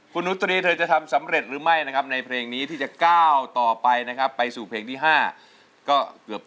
คุณหนูตรีบอกว่าอยากได้มากที่สุดก็คือ